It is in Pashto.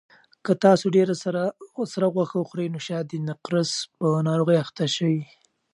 که تاسو ډېره سره غوښه وخورئ نو شاید د نقرس په ناروغۍ اخته شئ.